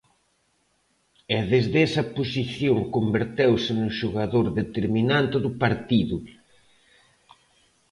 E desde esa posición converteuse no xogador determinante do partido.